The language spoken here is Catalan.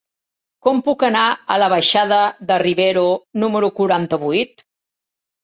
Com puc anar a la baixada de Rivero número quaranta-vuit?